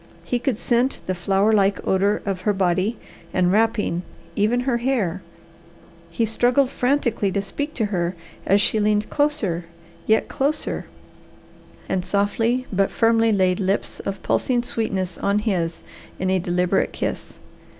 He could scent the flower like odour of her body and wrapping, even her hair. He struggled frantically to speak to her as she leaned closer, yet closer, and softly but firmly laid lips of pulsing sweetness on his in a deliberate kiss.